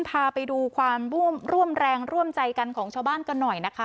พาไปดูความร่วมแรงร่วมใจกันของชาวบ้านกันหน่อยนะคะ